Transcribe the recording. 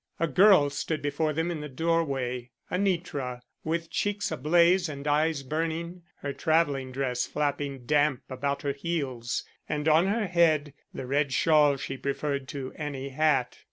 A girl stood before them in the doorway. Anitra, with cheeks ablaze and eyes burning, her traveling dress flapping damp about her heels, and on her head the red shawl she preferred to any hat.